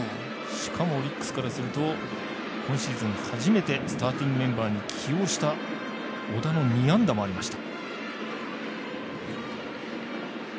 しかもオリックスからすると今シーズン初めてスターティングメンバーに起用した小田の２安打もありました。